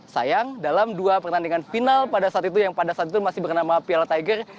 sayang dalam dua pertandingan final pada saat itu yang pada saat itu masih bernama piala tiger